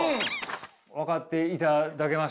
分かっていただけました？